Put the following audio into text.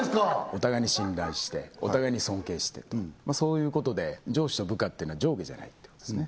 お互いに信頼してお互いに尊敬してとそういうことで上司と部下っていうのは上下じゃないっていうことですね